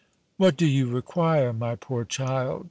"What do you require, my poor child?"